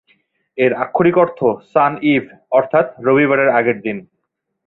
এর আক্ষরিক অর্থ "সান ইভ", অর্থাৎ "রবিবারের আগের দিন"।